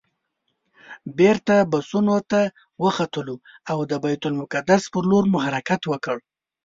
بېرته بسونو ته وختلو او د بیت المقدس پر لور مو حرکت وکړ.